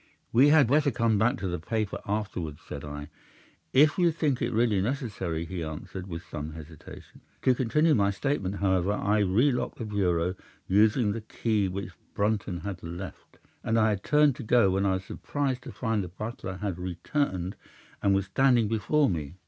"'We had better come back to the paper afterwards,' said I. "'If you think it really necessary,' he answered, with some hesitation. 'To continue my statement, however: I relocked the bureau, using the key which Brunton had left, and I had turned to go when I was surprised to find that the butler had returned, and was standing before me.